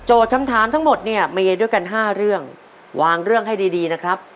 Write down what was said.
คำถามทั้งหมดเนี่ยมีด้วยกัน๕เรื่องวางเรื่องให้ดีดีนะครับ